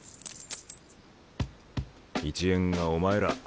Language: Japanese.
一円がお前ら。